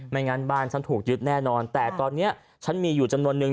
งั้นบ้านฉันถูกยึดแน่นอนแต่ตอนนี้ฉันมีอยู่จำนวนนึง